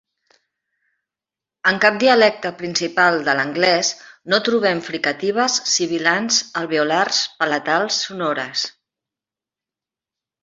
En cap dialecte principal de l'anglès no trobem fricatives sibilants alveolars palatals sonores.